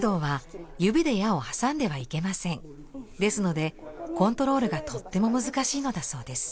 ですのでコントロールがとっても難しいのだそうです。